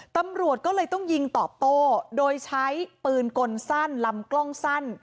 ตำรวจก็เลยต้องยิงตอบโต้โดยใช้ปืนกลสั้นลำกล้องสั้น